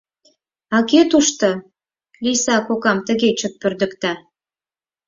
А кӧ тушто Лийса кокам тыге чот пӧрдыкта?